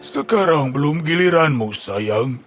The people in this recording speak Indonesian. sekarang belum giliranmu sayang